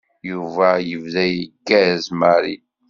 Yuba yebda yeggaz Mary.